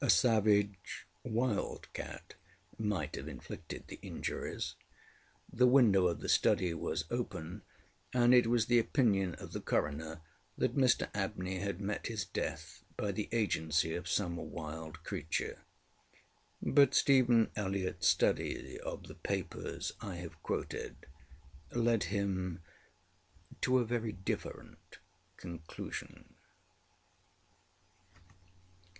A savage wild cat might have inflicted the injuries. The window of the study was open, and it was the opinion of the coroner that Mr Abney had met his death by the agency of some wild creature. But Stephen ElliottŌĆÖs study of the papers I have quoted led him to a very different conclusion.